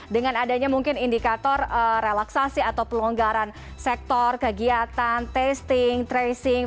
dengan adanya mungkin indikator relaksasi atau pelonggaran sektor kegiatan testing tracing